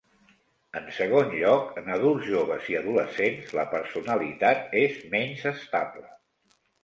En segon lloc en adults joves i adolescents la personalitat és menys estable.